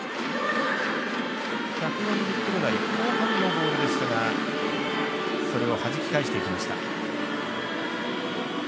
１４０キロ台後半のボールでしたがそれをはじき返していきました。